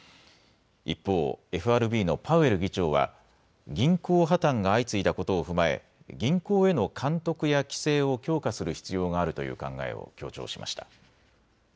一方、ＦＲＢのパウエル議長は銀行破綻が相次いだことを踏まえ銀行への監督や規制を強化する必要があるという考えを強調しました。